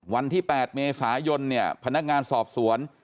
วันที่๘เมษายนเนี่ยพนักงานสอบสวน